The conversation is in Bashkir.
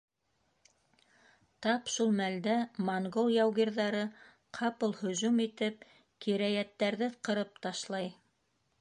Тап шул мәлдә монгол яугирҙары, ҡапыл һөжүм итеп, кирәйәттәрҙе ҡырып ташлай.